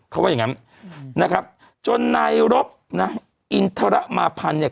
เขาว่าอย่างงี้นะครับจนในรบอินทรมาฟันเนี่ย